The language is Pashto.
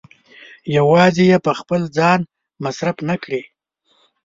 يوازې يې په خپل ځان مصرف نه کړي.